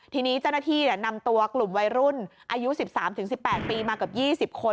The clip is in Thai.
ทีนี้จัดหน้าที่เนี้ยนำตัวกลุ่มวัยรุ่นอายุสิบสามถึงสิบแปดปีมาเกือบยี่สิบคน